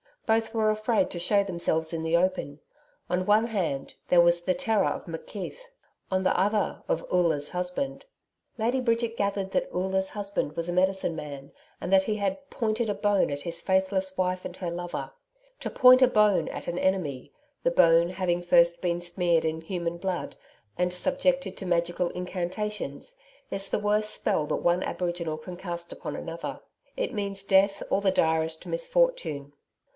Both were afraid to show themselves in the open. On one hand, there was the terror of McKeith; on the other, of Oola's husband. Lady Bridget gathered that Oola's husband was a medicine man, and that he had 'pointed a bone at his faithless wife and her lover.' To 'point a bone' at an enemy the bone having first been smeared with human blood, and subjected to magical incantations is the worst spell that one aboriginal can cast upon another. It means death or the direst misfortune.